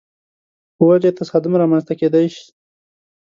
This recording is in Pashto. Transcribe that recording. په وجه یې تصادم رامنځته کېدای شي.